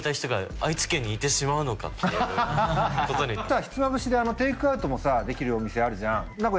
ただひつまぶしでテイクアウトもできるお店あるじゃん。